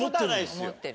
思ってる。